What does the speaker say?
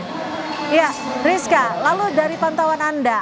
iya rizka lalu dari pantauan anda